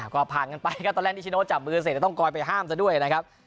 ก็ผ่านกันไปก็ตอนแรกที่ชิโน๊ตจับมือเสร็จต้องไปห้ามซะด้วยนะครับ